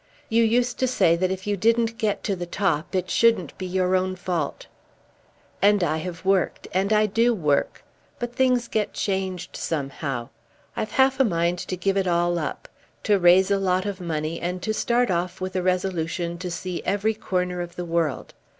You used to say that if you didn't get to the top it shouldn't be your own fault." "And I have worked; and I do work. But things get changed somehow. I've half a mind to give it all up, to raise a lot of money, and to start off with a resolution to see every corner of the world.